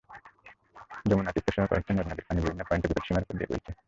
যমুনা, তিস্তাসহ কয়েকটি নদ-নদীর পানি বিভিন্ন পয়েন্টে বিপৎসীমার ওপর দিয়ে বইছে।